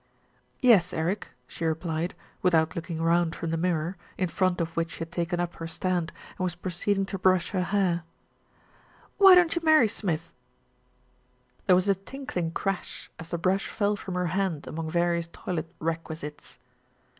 "Yes, Eric," she replied, without looking round from the mirror, in front of which she had taken up her stand and was proceeding to brush her hair. "Why don't you marry Smith?" A VILLAGE DIVIDED AGAINST ITSELF 221 There was a tinkling crash as the brush fell from her hand among various toilet "requisites."